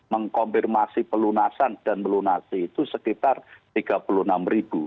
mengkonfirmasi pelunasan dan melunasi itu sekitar tiga puluh enam ribu